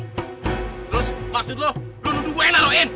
terus maksud lo lo nuduh gue yang naroin